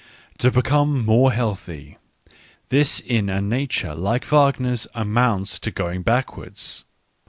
To become more healthy — this in a nature like Wagner's amounts to going backwards.